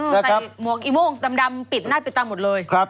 ใส่หมวกอีโม่งดำปิดหน้าปิดตาหมดเลย